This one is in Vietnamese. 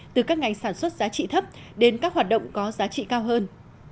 từ các ngành sản xuất giá trị thấp đến các hoạt động có giá trị cao hơn